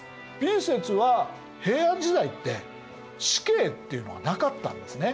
Ｂ説は平安時代って死刑っていうのがなかったんですね。